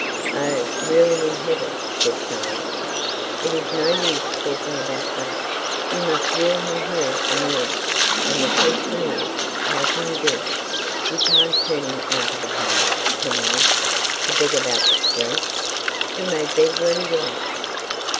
'Oh, ruling in heaven!' said Charlotte. 'It is no use talking about that. You must rule him here on earth; and the question is, how you can do it. You can't turn him out of the house penniless, to beg about the street.' 'He may beg where he likes.'